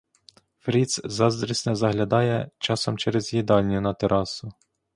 Фріц заздрісне заглядає часом через їдальню на терасу.